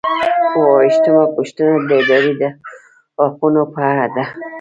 اووه ویشتمه پوښتنه د ادارې د حقوقو په اړه ده.